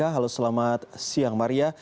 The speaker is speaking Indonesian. halo selamat siang maria